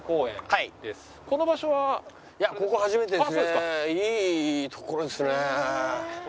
いい所ですね。